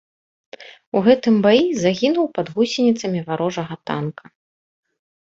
У гэтым баі загінуў пад гусеніцамі варожага танка.